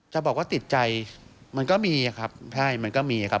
จะบอกว่าติดใจมันก็มีครับใช่มันก็มีครับ